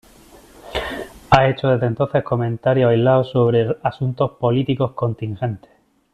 Ha hecho desde entonces comentarios aislados sobre asuntos políticos contingentes.